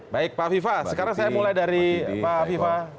baik pak viva sekarang saya mulai dari pak fifa